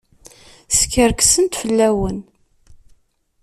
Skerksent fell-awen.